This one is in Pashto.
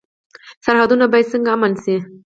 سرحدونه باید څنګه امن شي؟